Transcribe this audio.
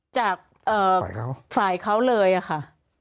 จากฝ่ายเขาเลยค่ะ